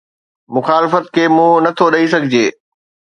مخالفت کي منهن نه ٿو ڏئي سگهجي